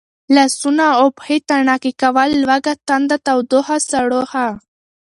لاسونه او پښې تڼاکې کول، لوږه تنده، تودوخه، سړوښه،